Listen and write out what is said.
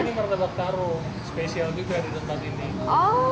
ini martabak taru spesial juga di tempat ini